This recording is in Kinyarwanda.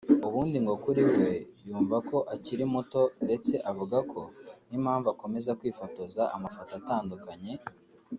ubundi ngo kuri we yumva ko akiri muto ndetse avuga ko n’impamvu akomeza kwifotoza amafoto atandukanye